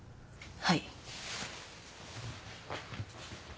はい。